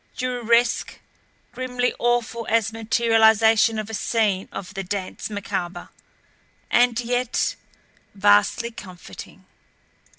Dureresque, grimly awful as materialization of a scene of the Dance Macabre and yet vastly comforting.